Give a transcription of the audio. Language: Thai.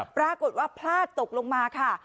ปรากฏว่าพลาดตกลงมาค่ะ